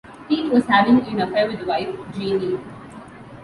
Pete was having an affair with the wife, Jeannie.